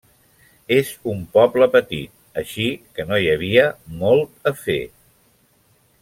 És un poble petit, així que no hi havia molt a fer.